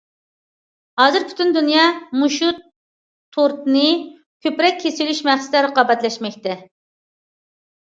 ھازىر پۈتۈن دۇنيا مۇشۇ تورتنى كۆپرەك كېسىۋېلىش مەقسىتىدە رىقابەتلەشمەكتە.